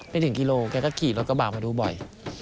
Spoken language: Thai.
ไม่ถึงกิโลแกก็ขี่รถกระบาดมาดูบ่อย